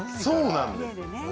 そうなんです！